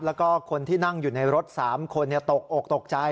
แล้วก็คนที่นั่งอยู่ในรถ๓คนตกอกตกใจ